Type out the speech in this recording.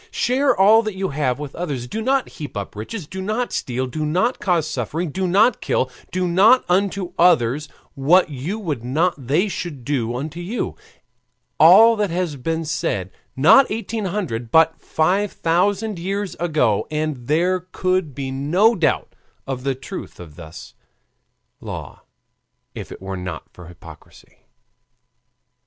Share all that you have with others, do not heap up riches, do not steal, do not cause suffering, do not kill, do not unto others what you would not they should do unto you, all that has been said not eighteen hundred, but five thousand years ago, and there could be no doubt of the truth of this law if it were not for hypocrisy.